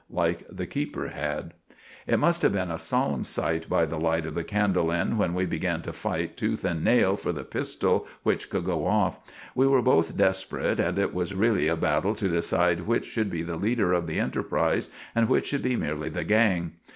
like the keeper had. It must have been a solumn site by the lite of the candle end when we began to fight tooth and nail for the pistell which could go off. We were both desperet, and it was reelly a battle to deside which should be the leeder of the enterprise and which should be merely the gang.